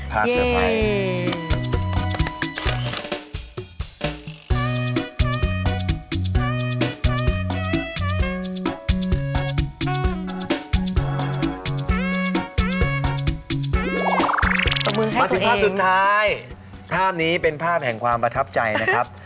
มาถึงภาพสุดท้ายภาพนี้เป็นภาพแห่งความประทับใจนะครับ